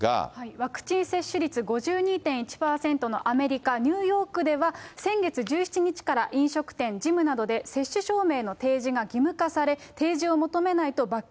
ワクチン接種率５２．１％のアメリカ・ニューヨークでは、先月１７日から飲食店、ジムなどで接種証明の提示が義務化され、提示を求めないと、罰金